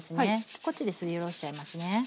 こっちですりおろしちゃいますね。